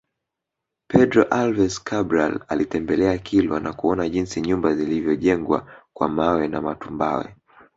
Pedro Alvares Cabral alitembelea Kilwa na kuona jinsi nyumba zilivyojengwa kwa mawe na matumbawe